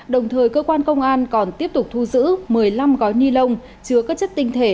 đồng thời cơ quan công an còn tiếp tục thu giữ một mươi năm gói ni lông chứa các chất tinh thể